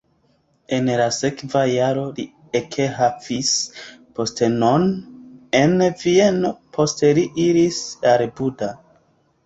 En la sekva jaro li ekhavis postenon en Vieno, poste li iris al Buda.